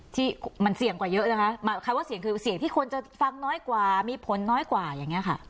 ที่มันเสี่ยงกว่าเยอะนะคะหมายความว่าเสี่ยงคือเสี่ยงที่คนจะฟังน้อยกว่ามีผลน้อยกว่าอย่างนี้ค่ะ